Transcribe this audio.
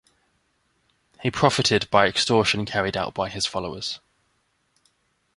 He profited by extortion carried out by his followers.